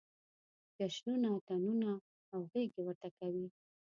جشنونه، اتڼونه او غېږې ورته کوي.